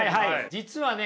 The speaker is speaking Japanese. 実はね